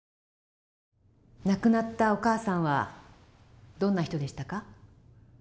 亡くなったお母さんはどんな人でしたか？